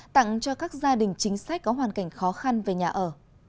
tặng cho các gia đình chính sách có hoàn cảnh khó khăn về nhà ở